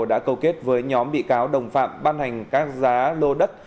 đã câu kết với nhóm bị cáo đồng phạm ban hành các giá lô đất